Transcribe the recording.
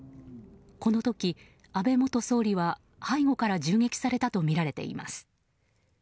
この時、安倍元総理は背後から銃撃されたとみられています。